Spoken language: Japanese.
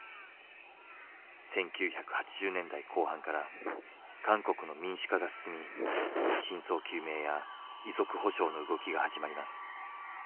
１９８０年代後半から韓国の民主化が進み真相究明や遺族補償の動きが始まります。